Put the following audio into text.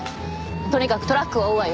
とにかくトラックを追うわよ。